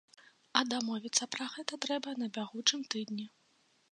А дамовіцца пра гэта трэба на бягучым тыдні.